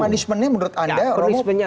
tapi punishmentnya menurut anda